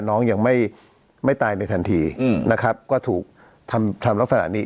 น้องยังไม่ไม่ตายในทันทีนะครับก็ถูกทำทำลักษณะนี้